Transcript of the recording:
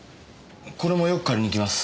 これもよく借りに来ます。